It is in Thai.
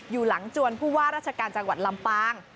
อยู่หลังจวนผู้ว่าราชการจังหวัดลำปาง